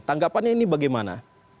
tanggapannya ini bagaimana